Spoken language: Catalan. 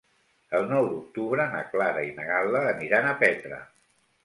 El nou d'octubre na Clara i na Gal·la aniran a Petra.